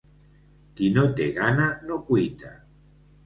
Qui no té gana, no cuita.